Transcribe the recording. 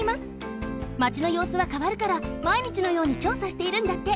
マチのようすはかわるからまいにちのように調査しているんだって。